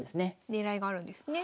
狙いがあるんですね。